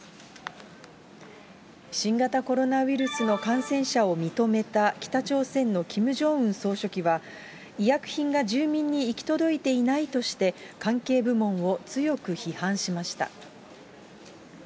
新型コロナウイルスの感染者を認めた北朝鮮のキム・ジョンウン総書記は、医薬品が住民に行き届いていないとして、関係部門を強く批判しました。